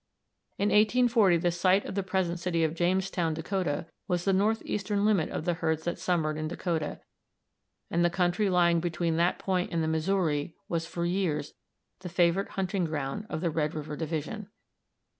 In 1840 the site of the present city of Jamestown, Dakota, was the northeastern limit of the herds that summered in Dakota, and the country lying between that point and the Missouri was for years the favorite hunting ground of the Red River division.